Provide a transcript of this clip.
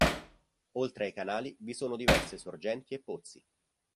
Oltre ai canali, vi sono diverse sorgenti e pozzi.